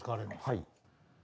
はい。